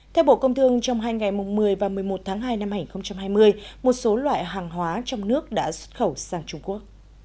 theo bộ công thương trong hai ngày một mươi và một mươi một tháng hai năm hai nghìn hai mươi một số loại hàng hóa trong nước đã xuất khẩu sang trung quốc